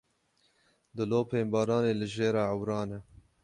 Dilopên baranê li jêra ewran e.